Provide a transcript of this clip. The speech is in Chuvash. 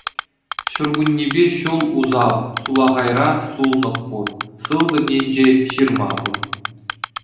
Ҫуркуннепе ҫул усал, сулахайра сулнӑк пур, сылтӑм енче ҫырма пур.